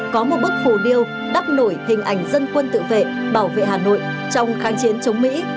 có một bức phù điêu đắp nổi hình ảnh dân quân tự vệ bảo vệ hà nội trong kháng chiến chống mỹ